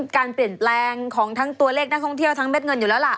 การเปลี่ยนแปลงของทั้งตัวเลขนักท่องเที่ยวทั้งเม็ดเงินอยู่แล้วล่ะ